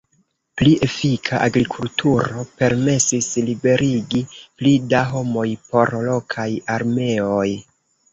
Pli efika agrikulturo permesis liberigi pli da homoj por lokaj armeoj.